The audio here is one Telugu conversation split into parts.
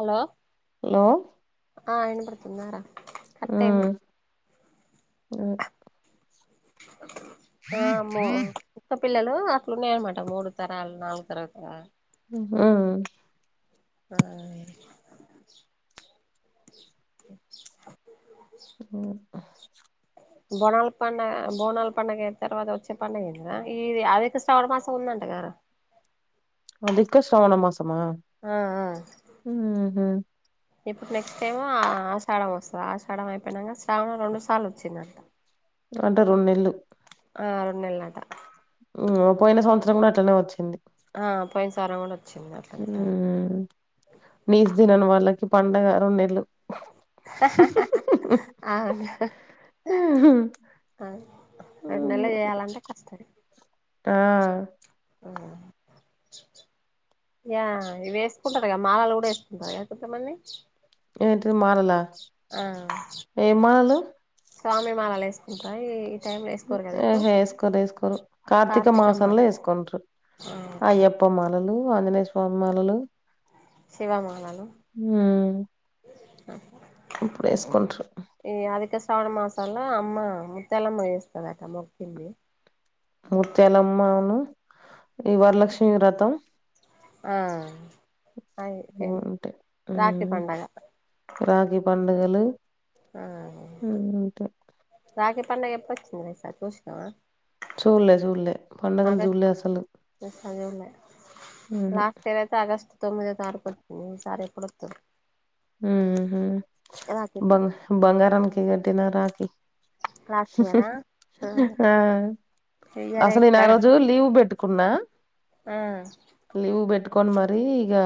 హలో హలో ఆ వినపడుతుందా రా? మ్ అదె ఆ ము కుక్క పిల్లలు అట్లున్నాయనమాట. మూడు తరాలు, నాలుగు తరాలు అట్టగా మ్ ఆ ఆ. కాలి మ్ బోనాల్ పండగ, బోనాల్ పండగ అయిన తర్వాత వచ్చే పండగ ఏది నా ఏది అదైతే తవరుమాసం ఉందంట కదరా? అదిక శ్రావణ మాసమ? ఆ ఆ మ్ హు ఇప్పుడు నెక్స్ట్ ఏమో ఆషాఢం వస్తది. ఆషాఢం అయిపోయినాక శ్రావణం రెండు సార్లు వచ్చిందంట. అంటే రొన్నేళ్లు ఆ రొన్నెళ్లట. మ్ పోయిన సంవత్సరం కూడా అట్లనే వచ్చింది. ఆ పోయిన సారి కూడ్ నీచు తినని వాళ్ళకి పండగ రొన్నేళ్లు. అవును రొన్నేళ్లు చేయాలంటే కష్టం ఆ ఆ యా ఇవి వేసుకుంటారు గా, మాలలు కూడ వేసుకుంటారు కద కొంతమంది. ఏంటిది మాలలా? ఆ ఏం మాలలు స్వామి మాలవేసుకుంటాయి ఆహ వేస్కోరు వేసుకోరు కార్తీక మాసంలో వేస్కోండు ఆ అయ్యప్ప మొత్తం మాలలు ఆంజనేయ స్వామి మాలలు శివ మాలలు హ్మ్ ఇప్పుడు వేసుకుంటారు ఈ అధిక శ్రావణ మాసాల అమ్మ ముత్యాలమ్మ వేస్తుందిట మొగ్కింది ముత్యాలమ్మను ఈ వరలక్ష్మి వ్రతం ఆ అయిపోయింది రాఖి పండగ రాఖి పండుగలు ఆ హ్మ్. ఉంటాయి రాఖీ పండుగ ఎప్పుడు వచ్చింది ఈసారి చూసినవా చూడలే చూడలే పండగలు చూడలే అసలు ఒకసారి చూడలే ఉహు లాస్ట్ ఇయర్ అయితే ఆగస్టు తొమ్మిదో తారీఖు వచ్చింది ఈసారి ఎప్పుడు వస్తుంది ఉహు హు రాఖీ బంగ పండగ బంగారాకి కట్టిన రాఖి లాస్ట్ ఇయరా ఆహా ఆ ఈ ఇయరే అసలు నా ఆ రోజు లీవ్ పెట్టుకు కున్నా ఆ లీవ్ పెట్టుకోడి మరి ఇగా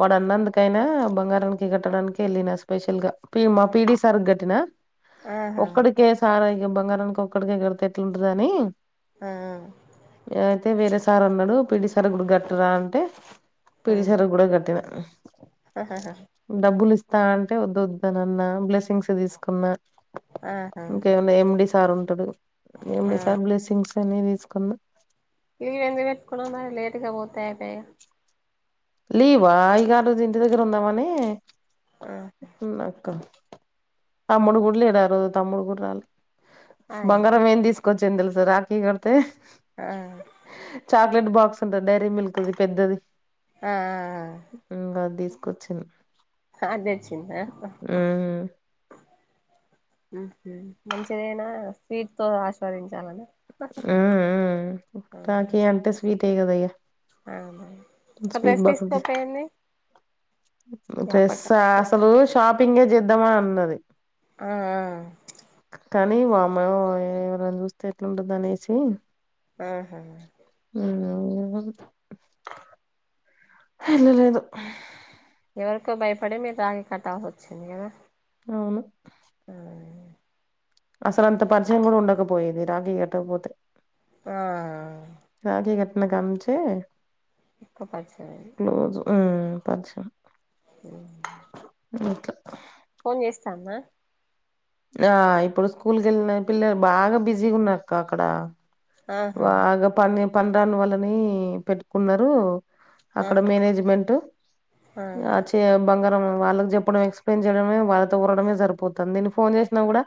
వాడు అన్నందుకైనా బంగారామా కట్టడానికి వెళ్ళిన స్పెషల్ గా ప మా పిడి సార్ కట్టినా ఆహా ఒక్కడి ఇ సారా ఇక బంగారానికి ఒక్కడికిక్కడితే ఎట్లుంటద అని ఆ అయితే వేరే సార్ ఉన్నాడు పిడి సార్ కూడా కాట్టరా అంటే పిడి సార్ కూడా కాట్టిన ఆహహ డబ్బులు ఇస్తా అంటే వదు వద్ద్దన అన్న బ్లెస్సింగ్స్ తీసుకున్నా ఆహా ఏమనా ఎండి సార్ ఉంటాడు ఎండి ఆ సార్ బ్లెస్సింగ్స్ అని తీసుకున్నా ఇవి ఎందు పెట్టుకున్నా మరి లేటుగా పోతాయి అయగా లీవా ఇగా అ రోజు ఇంటి దగ్గర ఉందామనే ఆ ఉ అక్క తమ్ముడు గుడ్లు ఎడ రోజు తమ్ముడు గూడ రాలే అదే బంగారం ఏమి తీసుకొచ్చంది తెలుసా రాకీ కడితే ఆ చాక్లెట్ బాక్స్ ఉంటా డైరీ మిల్క్ది పెద్దది ఆ ఇంకా తీసుకొచ్చింది అదే చింద ఉమ్ ఉహు మంచిదైనా ఫీట్ తో ఆస్వాదించాలని అ అ తకి అంతస్వీటీగా పోయింది అహా ఒక డ్రెస్ తీసుకుంటే ఏంది డ్రెస్స అసలు షాపింగే చేద్దామా అన్నది ఆ ఆ కానీ వామ ఎవరైనా చూస్తే ఎట్లాంటది అనేసి ఆహ ఆ అవును కాద [unintelligible] ఎల లేదు [unintelligible] ఎవరికో భయపడి మీరు రాగి కట్టాల్సి వచ్చింది కదా అవును ఆ అసలు అంత పరిచయం కూడా ఉండకపోయేది రాఖీ కట్టకపోతే ఆ రాఖీ కట్టిన కా నుంచే ఎక్కువ పరిచయం అయింది క్లోజు ఉమ్ పంచ ఉమ్ ఇంకా ఫోన్ చేస్తా ఉందా ఆ ఇప్పుడు స్కూల్కెళ్ళిన పిల్లలు బాగా బిజీగున్నారు కా అక్కడ ఆహా బాగా పని పనిరాని వాళ్ళనీ పెట్టుకున్నారు అక్కడ ఆహా మేనేజ్మెంటు ఆచి తే బంగారం వాళ్ళకి చెప్పడం ఎక్స్ప్లెయిన్ చేయడమే వాళ్ళతో ఊరడమే సరిపోతుంది నేను ఫోన్ చేసినా కూడా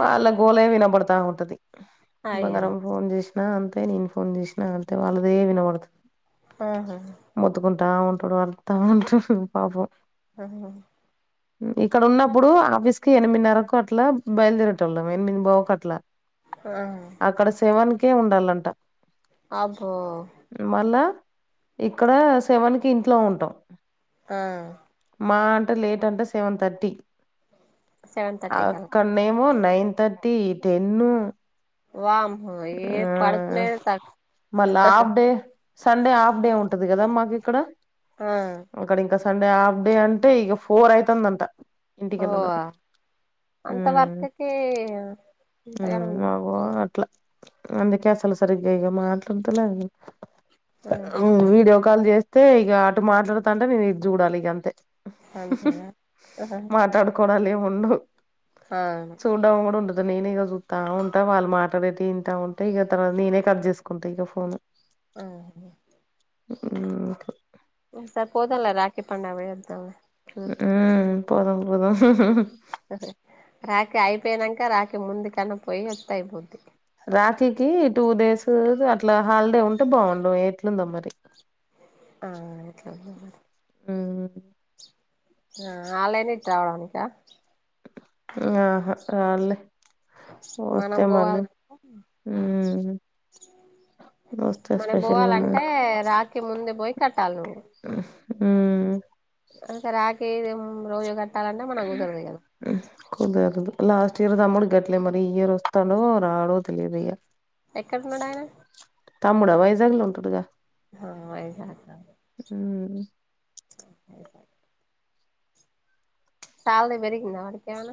వాళ్ళ గోలే వినబడతా ఉంటది అయ్యో బంగారం ఫోన్ చేసినా అంతే నేను ఫోన్ చేసినా అంతే వాళ్ళదే వినబడుతు ఆహొ మొత్తుకుంటా ఉంటడు వరతా ఉంట [unintelligible] పాపం అన్నం ఇక్కడ ఉన్నప్పుడు ఆఫీస్ కి ఎనిమిదిన్నరకు అట్లా బయలుదేరేటోళ్ళం ఎనిమిం పావు కి అట్లా ఆహ్ అక్కడ సెవెన్ కే ఉండాలంట అబ్బో మళ్ళా ఇక్కడ సెవన్ కి ఇంట్లో ఉంటాం ఆ మా అంటే లేట్ అంటే సెవెన్ థర్టీ సెవెన్ ఆ థర్టీ కలా క్కన్ మేము నైన్ థర్టీ టెన్ను వామ్మో ఏ పడుకొనేది త మళ్ళా half day Sunday half day ఉంటది కదా మాకు ఇక్కడ ఆ అక్కడ ఇంక సండే హాఫ్ డే అంటే ఇగ ఫోర్ ఐతుందంట ఓ ఆ అంత వర్కుకి ఊ మా గోల అట్లా అందుకే అసలు సరిగ్గా ఇగ మాట్లాడుతలేను ఆహా ఊ వీడియో కాల్ చేస్తే ఇగ అటు మాట్లాడుతాంటే నేను ఇది చూడాలి ఇగ అంతే అంతేనా ఆహా మాట్లాడుకోవడాలేం ఉండదు అవును చూడ్డం కూడ ఉండదు నేనే ఇగ చూత్తా ఉంటా వాళ్ళు మాట్లాడేటివి ఇంటా ఉంటే ఇగ తర్వాత నేనే కట్ చేసుకుంటా ఇగ ఫోను ఆ హు ఉహూ ఓకే ఉమ్ సర్ పోదాంలే రాఖీ పండగ పొయొద్దాం ఈ పోదాం పోదాం రాఖి అయిపోయినంక రాకి ముందు కన్నా పొయ్యొత్తే అయిపోద్ది రాఖీకి టూ డేసూ [inaudible] అట్లా హాలిడే ఉంటే బాగుండు ఎట్లుందో మరి ఆ అట్లనే ఊ ఆ [unintelligible] ఆహా [unintelligible] మనం వస్తే పోవాల మళ్ళీ ఉమ్ వస్తే మనం స్పెషల్గా పోవాలంటే రాకి ముందే పోయి కట్టాలి నువ్వు ఉ ఇంక రాఖీ [unintelligible] రోజు కట్టాలంటే మనకు కుదరదు ఇక ఉ కుదరదు లాస్ట్ ఇయర్ తమ్ముడు గట్లే మరి ఈ ఇయర్ వస్తాడో రాడో తెలియదు ఇగ ఎక్కడ వున్నాడు ఆయన తమ్ముడ వైజాగ్లో ఉంటాడుగ ఆ వైజాగ ఉమ్ సాలరి పెరిగింద వాడికేవన్న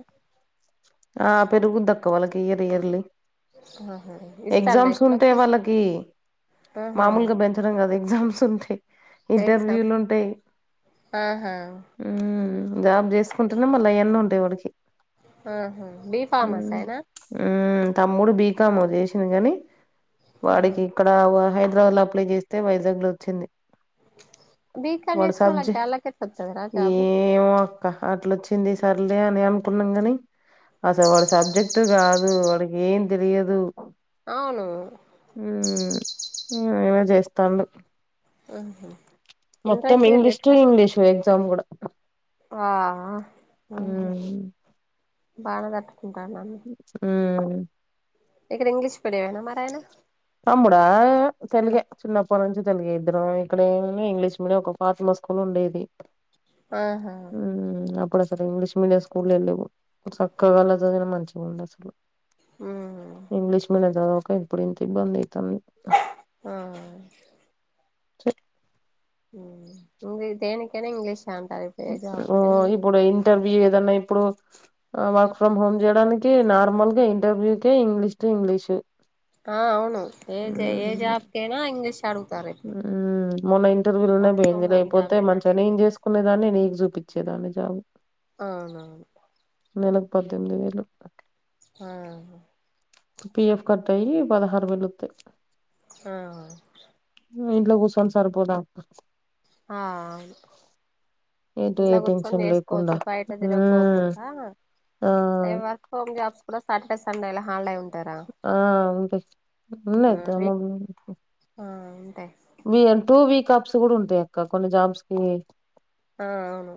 ఆ పెరుగుద్ధి అక్క వాల్లకి ఇయర్ ఇయర్లీ ఆహా ఇస్తాండా ఎగ్జామ్స్ ఉంటే ఇంట్లోకి వాళ్ళకి ఆహా మామూలుగ బెం [unintelligible] కదా ఎగ్జామ్స్ ఉంటాయ్ ఎగ్జామ్ ఇంటర్వ్యూలు ఉంటాయ్ ఆహా ఉమ్ జాబ్ చేసుకుంటేనే మళ్ళీ అయ్యన్నీ ఉంటాయ్ వాడికి ఆహా బి ఫార్మసీ ఏనా తమ్ముడు బీకాము చేసింది గని వాడికి అక్కడ హైదరాబాద్లో అప్లై చేస్తే వైజాగ్ లో వచ్చింది బీకం వాడు చేసిన సబ్జె వాళ్ళకి అల్లకేట్ట వత్తది రా జాబు ఏమో అక్క అట్లొచ్చింది సర్లే అని అనుకున్నాం గని అసలు వాడు సబ్జెక్టు కాదు వాడికి ఏం తెలియదు అవును ఉమ్ యేవో చేస్తాన్డు ఊహు మొత్తం ఇంగ్లీష్ టు ఇంగ్లీషు ఎగ్జామ్ కూడ ఆఅ ఊహు హ్మ్. బానే తట్టుకుంటాడు నన్ ఉమ్ ఇక్కడ ఇంగ్లీష్ మీడియమేన మరాయన తమ్ముడే తెల్గే చిన్నప్పటి నుంచి తెలుగే ఇద్దరం ఇక్కడ ఏమో ఇంగ్లీష్ మీడియం ఒక ఫార్మ స్కూల్ ఉండేది ఆహా అప్పుడు అసలు ఇంగ్లీష్ మీడియం స్కూల్ వెళ్ళవు చక్కగ అల్ల చదినా మంచిగా ఉంది అసలు ఉమ్ ఇంగ్లీష్ మీడియం చదవక ఇప్పుడు ఇంత ఇబ్బంది అయితంది ఆ ఇంక దేనికైన ఇంగ్లీష్యె అంటారు ఇప్పుడు ఏ జాబ్కైనా ఇంగ్లీష్ ఇప్పుడు ఇంటర్వ్యూ ఏదన్న ఇప్పుడు వర్క్ ఫ్రమ్ హోమ్ యడానికి నార్మల్గా ఇంటర్వ్యూకే ఇంగ్లీష్ టు ఇంగ్లీషు ఆ అవును ఏ ఏజాబ్ కన్న ఇంగ్లీష్ ఆడుగుతారు మొన్న ఇంటర్వ్యూ లోనే ఫ్రమ్ పోయింది హోమ్ జాబ్ లేకపోతే అయినా ఏ మంచిగానే ఏం జాబ్ చేసు ఉన్నాయ్ గాని నీకు చూపించేదాన్ని జాబ్ అవునవును నెలకి పద్దెనిమిది వేలు ఆ పిఎఫ్ కట్ అయ్యి పదహారు వేలు వస్తాయ్ ఆ ఇంట్లో కూసోన్ సరిపోదా ఆ అవును ఎటు ఏ ఇంట్లో కూర్చొని టెన్షన్ లేకుండా నేసుకోవచ్చు బయట తిరగ మ్మ్ కోకుండా ఆ ఎవర్ హోమ్ జాబ్స్ కూడా సాటర్డే సండే హాల్డై ఉం ఆ ఉంటయ్ ఉన్నయ్ వీక్ దోమల్ గూడ ఆ ఉంటయ్ we and two week offs గూడుంటాయ్ అక్కా కొన్ని జాబ్స్ కీ ఆ అవును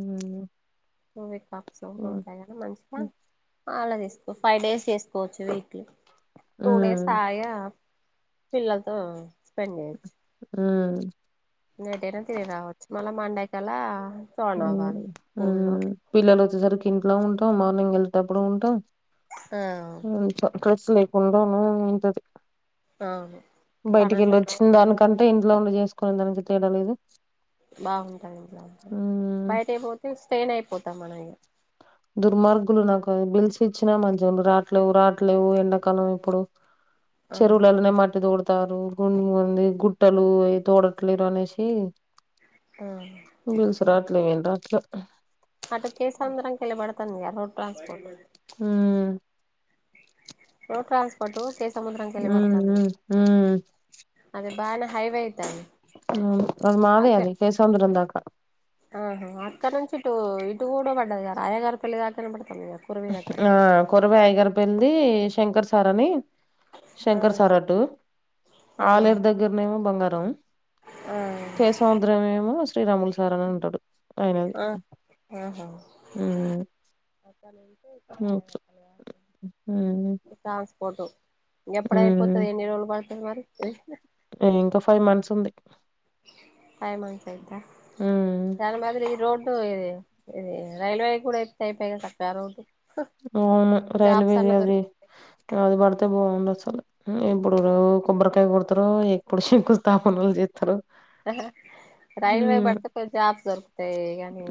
ఉమ్ టూ వీక్ ఆఫ్స్ ఉమ్ ఉంటాయి గదా మంచిగా అలా తీసుకో ఫైవ్ డేస్ తీసుకోవచ్చు వీక్లి టూ డేస్ హాయిగా పిల్లలతో స్పెండ్ చేయొచ్చు ఉమ్ ఇంగ ఏటైనా తిరిగి రావచ్చు మళ్ళా మండే కల్లా ఫౌండ్ ఉమ్, అవ్వాలి ఫోర్ ఉమ్. ల్లోపే పిల్లలు వచ్చేసరికి ఇంట్లో ఉంటాం మార్నింగ్ వెళ్ళెటప్పుడు ఉంటాం ఆ ఇంట్లో కట్స్ లేకుండాను ఉంటది అవును బయటికి పనంతా వెళ్ళి వచ్చిన దానికి అంటే ఇంట్లో ఉండి చేసుకునే దానికి తేలువలేదు బాగుంటది ఇంట్లా ఉంటే ఉమ్ బయటికిపోతే స్ట్రెయిన్ అయిపోతాం మనం ఇగ దుర్మార్గులు నాకు బిల్స్ ఇచ్చినా మధ్య రాట్లేవు రాట్లేవు ఎండాకాలం ఇప్పుడు [inaudible] చెరువులలోనే మట్టి తోడుతారు గు ఉంది గుట్టలు అవి తోడట్లేరు అనేషి ఆ రూల్స్ రాట్లేవ్ ఏం రాట్లేవ్ అటు కే సముద్రం కెళ్ళి పడుతుందిగ road transport um road transport కే సముద్రం ఉమ్ కెళ్ళిపడుతుంది ఉమ్ ఉమ్ అదే బానే హైవే యిటువంటి అంతే కే సముద్రం దాకా ఆహా అక్కడ నుంచి ఇటు ఇటు గూడా పడ్దదిగ రాయగారు పెళ్ళి దాకా కనపడుతుందిగా ఆ కొరవయ్యగారి పెళ్ళి శంకర్ సార్ అని ఆ శంకర్ సార్ అటు ఆ ఆలేరు దగ్గరనేమో బంగారం ఆ కే సముద్రం ఏమో శ్రీరాములు సార్ అని ఉంటాడు ఆయనది ఆ ఆహా ఉమ్ ఒక్కలుంటే ఉమ్ రాయగలుగుతరుగా ఉమ్ ట్రాన్స్పోర్టు ఉమ్ ఎప్పుడయిపోతది ఎన్ని రోజులు పడుతది మరి ఇంకా ఫైవ్ మంత్స్ ఉంది ఫైవ్ మంత్స్ అయిద్దా ఉమ్ దాని బదులు ఈ రోడ్ ఇది ఇది రైల్వే కూడా అయితయిగా చక్కగా రోడ్ అవును రైల్వేది అది దొరికితాయి అది పడితే బాగుండు అసలు ఎప్పుడు కొబ్బరికాయ కొడతరో ఎప్పుడు శంకు స్థాపనలు చేస్తరో ఆ రైల్వే పడితే కొన్ని జాబ్ దొరుకుతాయి గానీ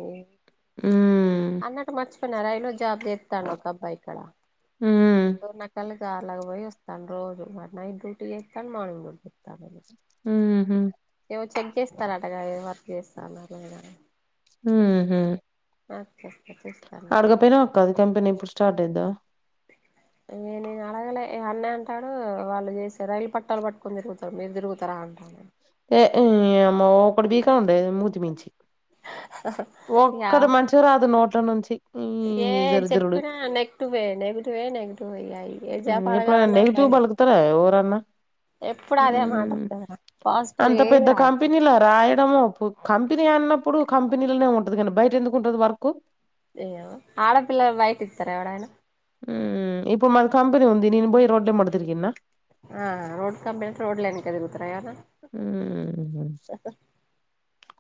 ఉమ్ మర్చిపోయిన రైల్వేజాబ్ జేత్తండు ఒక అబ్బాయి ఇక్కడ హ్మ్. నా కల సార్లాగ్ ఓయ్ వస్తాడు. రోజు మరి నైట్ డ్యూటీ ఎత్తడ్, మార్నింగ్ డ్యూటీ ఎత్తడ్. ఉహుహ్ ఏవో చేగ్ జేస్తారటగా ఏ వర్క్ ఏస్తారో మేడమ్ అన్ హుహ్ నాకే పచ్చిస్ అడగపోయినవ్ అక్క అది కంపెనీ ఇప్పుడు స్టార్ట్ అయిదో. క ఇగా నీన్ అడగలే అన్న అంటాడు వాళ్ళు జేసే రైలు పట్టాలు పట్టుకొని తిరుగుతారు. మీరు తిరుగుతారా అంటానా. ఏ ఈ అమ్మ ఒకటి బిక్కా ఉండే మూతిమీంచి యా రాదు నోట్ల నుంచి. ఈ ఏ దరిద్రుడు. చెప్పినా నెక్ టువే నెగటివే నెగటివే ఇగా జాపా అడగలనా ట్రయే తేరే ఓవర్ అన్నా. అదే మాట ఉహ్ వత్తదిరా పాజిటివ్ అంత ఏది పెద్ద రాదు కంపెనీలా రాయడప్పు. కంపెనీ అన్నప్పుడు కంపెనీలనే ఉంటది గానీ, బయట ఎందుకు ఉంటది వర్కు. ఏవో ఆడపిల్లక్ బయటి ఇతారా ఎవడైనా హుమ్మ్ ఇప్పుడు మాది కంపెని ఉంది. నేన్ బోయి రోడ్ల ఎంబడి దిరిగిన్న ఆ రోడ్ కంపెనీ అంటే రోడ్ల ఎనకా తిరుగుతరా ఏవన్నా. ఉహుహుహ్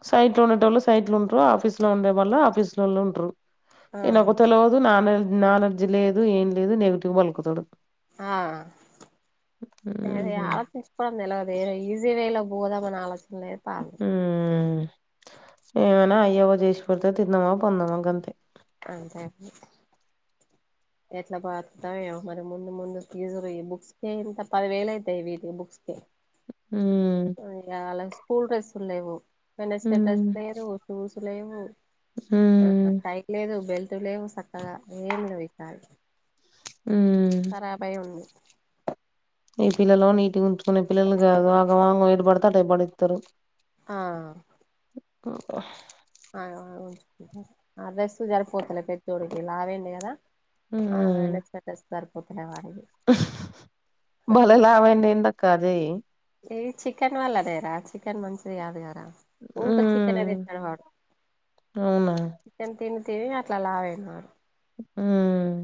సైట్ లో ఉండే టోళ్ళు సైట్లు ఉంట్రు, ఆఫీస్లో ఉండే వాళ్ళు ఆఫీస్ లలో ఉంట్రు. ఆ ఇన్నకు తెల్వదు నానే నాణెడ్జ్ లేదు ఏం లేదు నెగిటివ్ బలుకుతడు. ఆ ఆ అదే ఆలోచించ్ ఫర్ నేలగదేలే ఈజీ వేలోగ్ పోదాం అని ఆలోచన లేదు పాలేద్. ఉహ్మ్ ఏమైనా అయ్యావా జేచి పెడితే తిందావా పందవా గంతే. అంతే అండి. ఎట్లా బతుతావో ఏమో మరి ముందు ముందు పీజురీ బుక్స్ కే ఇంత పది వేలు ఆయితాయి వీటి బుక్స్ కే ఉహ్మ్ హి అలాయ్ స్కూల్ డ్రెస్సులు లేవు, వెనస్డే డ్రెస్ మ్మ్ లేదు, షూస్ లేదు. ఆ ఆ మ్మ్ టై లేదు, బెల్ట్ లేవు సక్కగా ఏమి లేవు ఈ సారి. హుమ్మ్ సరే ఆ భయం ఉంది. ఈ పిల్లలు నీట్ గా ఉంచుకునే పిల్లలు గాదు ఆగం ఆగం ఏడి పడితే అటు పడేతరు. ఆ చెప్పో హోహ ఆగావ్ ఆగావ్ ఉంచుకుంటారు ఆ డ్రెస్ సరిపోతలే పెద్దోడికి లావు అయినడు కదా అయినొచ్చినాక ఏస్ సరిపోతలేవ్ అడిగి బలే లావైడ్ ఎందక్కా అజేయ్ ఈ చికెన్ వల్లనేర చికెన్ మంచిది గాదు గదా రా ఊకే చికెన్ ఏ మ్మ్ తింటాడు వాడు అవునా కిచెన్ తిని తిని అట్లా లావు అయినడ్ వాడు హుహ్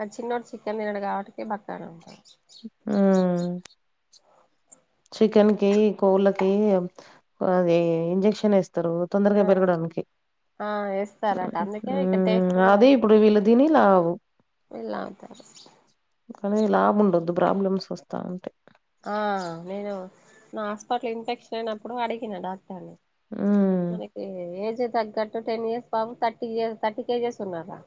అడ్ చిన్నోడ్ చికెన్ తినడు గావాటికి బక్కానే ఉంటాడు. ఉహుహ్ చికెన్ కి కోళ్లకి అది ఇంజెక్షన్ ఏస్తరు. ఆ తొందరగా బెరగడానికి ఆ వేస్తారట అందుకే ఇక టేస్ట్ ఉహుహ్ అది ఇప్పుడు వీళ్ళ తినిలావు వెళ్ళ అంతే కానీ లావు ఉండోదు ప్రాబ్లమ్స్ వస్తా ఉంటాయి ఆ నేను నా హాస్పిటలో ఇన్ఫెక్షన్ అయినప్పుడు అడిగిన డాక్టర్ని హ్మ్ మనకి ఏజ్ తగ్గట్టు టెన్ ఇయర్స్ బాబు థర్టీ ఇయర్స్ థర్టీ కేజెస్ ఉన్నారా